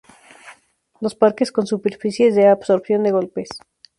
Los parques con superficies de absorción de golpes.